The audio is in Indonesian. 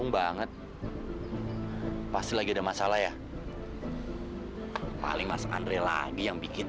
awas sampe jelek awas sampe bocor lagi